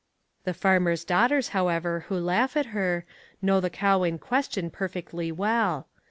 The farmer's daughters, however, who laugh at her, know the cow in question perfectly well.